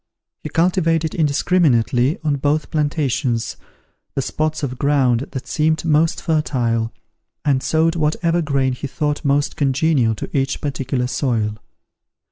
He cultivated indiscriminately, on both plantations, the spots of ground that seemed most fertile, and sowed whatever grain he thought most congenial to each particular soil.